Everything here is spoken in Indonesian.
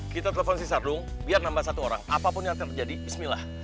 kita telepon si sardung biar nambah satu orang apapun yang akan terjadi bismillah